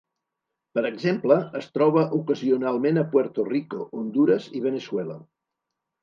Per exemple, es troba ocasionalment a Puerto Rico, Hondures i Veneçuela.